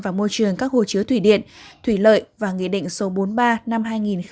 và môi trường các hồ chứa thủy điện thủy lợi và nghị định số bốn mươi ba năm hai nghìn một mươi bảy